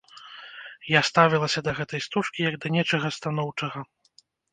Я ставілася да гэтай стужкі, як да нечага станоўчага.